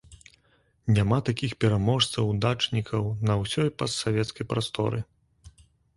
Няма такіх пераможцаў, удачнікаў на ўсёй постсавецкай прасторы.